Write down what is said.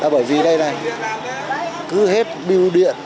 bởi vì đây này cứ hết biêu điện